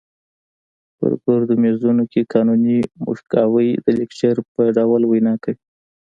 په ګردو میزونو کې قانوني موشګافۍ د لیکچر په ډول وینا کوي.